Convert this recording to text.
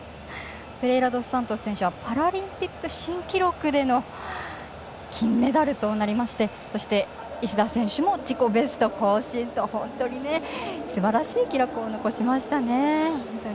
フェレイラドスサントス選手はパラリンピック新記録での金メダルとなりましてそして、石田選手も自己ベスト更新と本当にすばらしい記録を残しましたね。